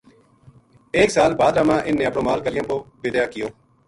ایک سال بھادرہ ما اِ ن نے اپنو مال گلیاں پو بِدیا کیو